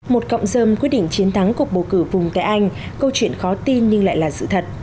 một cộng dơm quyết định chiến thắng cuộc bầu cử vùng tại anh câu chuyện khó tin nhưng lại là sự thật